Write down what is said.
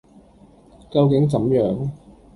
究竟怎樣；